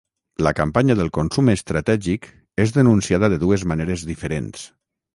La campanya del ‘Consum estratègic’ és denunciada de dues maneres diferents.